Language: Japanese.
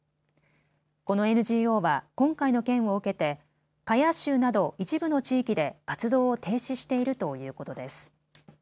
このＮＧＯは今回の件を受けてカヤー州など一部の地域で活動を停止しているということです。